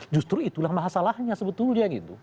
justru itulah masalahnya sebetulnya gitu